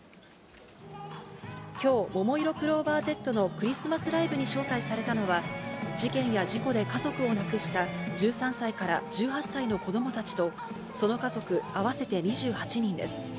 きょう、ももいろクローバーＺのクリスマスライブに招待されたのは、事件や事故で家族を亡くした１３歳から１８歳の子どもたちと、その家族合わせて２８人です。